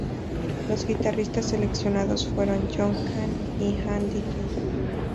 Los guitarristas seleccionados fueron John Cann y Andy Gee.